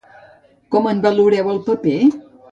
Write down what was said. Com en valoreu el paper?